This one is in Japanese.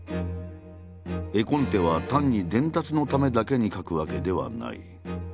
絵コンテは単に伝達のためだけに描くわけではない。